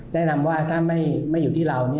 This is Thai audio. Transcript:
แนะนำว่าถ้าไม่อยู่ที่เรา